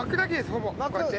ほぼこうやって。